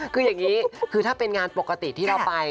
คืออย่างนี้คือถ้าเป็นงานปกติที่เราไป